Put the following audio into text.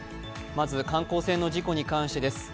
まず観光船の事故に関してです。